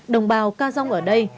đồng bào ca rong ở đây